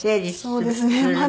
そうですね。